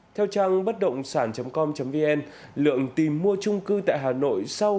theo trang bất động sản com vn lượng trúng thầu là hai mươi bảy hai trăm linh lượng tương đương với khoảng một hai tấn